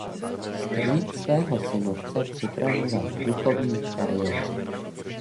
Strýc svého synovce připravoval k duchovní kariéře.